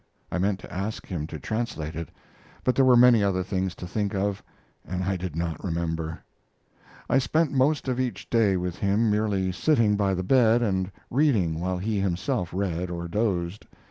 I meant to ask him to translate it; but there were many other things to think of, and I did not remember. I spent most of each day with him, merely sitting by the bed and reading while he himself read or dozed.